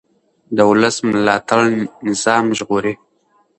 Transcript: د ولس ملاتړ نظام ژغوري